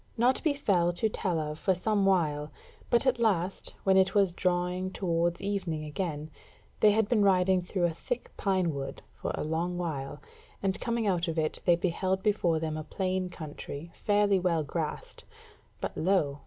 Naught befell to tell of for some while; but at last, when it was drawing towards evening again, they had been riding through a thick pine wood for a long while, and coming out of it they beheld before them a plain country fairly well grassed, but lo!